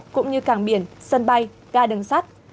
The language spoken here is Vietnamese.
cũng như cảng biển sân bay gai đường sắt